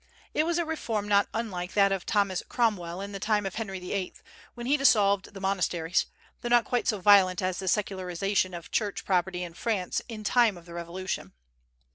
It was a reform not unlike that of Thomas Cromwell in the time of Henry VIII., when he dissolved the monasteries, though not quite so violent as the secularization of church property in France in the time of the Revolution.